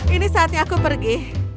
ini saatnya aku pergi